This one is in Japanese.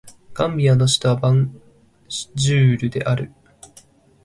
ガンビアの首都はバンジュールである